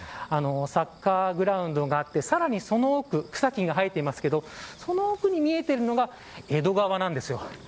サッカーグラウンドがあってさらにその奥、草木が生えていますけどその奥に見えているのが江戸川なんです。